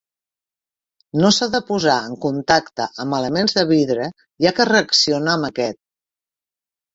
No s'ha de posar en contacte amb elements de vidre, ja que reacciona amb aquest.